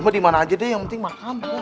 mau dimana aja deh yang penting makan